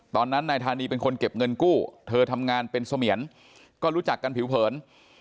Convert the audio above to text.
นายธานีเป็นคนเก็บเงินกู้เธอทำงานเป็นเสมียนก็รู้จักกันผิวเผิน